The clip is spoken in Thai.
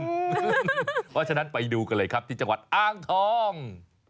เพราะฉะนั้นไปดูกันเลยครับที่จังหวัดอ้างทอง